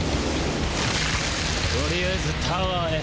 とりあえずタワーへ。